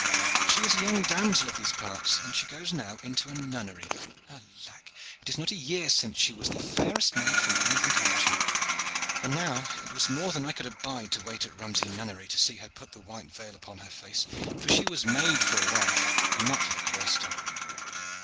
"She is a young damsel of these parts, and she goes now into a nunnery. Alack! it is not a year since she was the fairest maid from Avon to Itchen, and now it was more than I could abide to wait at Romsey Nunnery to see her put the white veil upon her face, for she was made for a wife and not for the cloister.